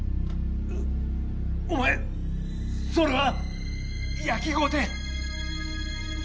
お前それは焼きごて。